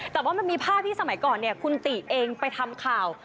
แต่ว่ามันมีภาพที่สมัยก่อนเนี่ยคุณติเองไปทำข่าว